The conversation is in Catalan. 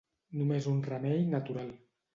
Només un remei natural.